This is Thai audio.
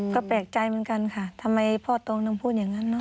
ก็แปลกใจเหมือนกันค่ะทำไมพ่อตองถึงพูดอย่างนั้นเนอ